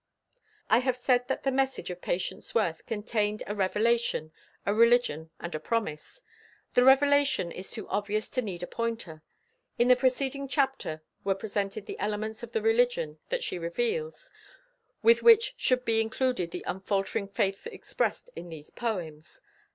I have said that the message of Patience Worth contained a revelation, a religion and a promise. The revelation is too obvious to need a pointer. In the preceding chapter were presented the elements of the religion that she reveals, with which should be included the unfaltering faith expressed in these poems.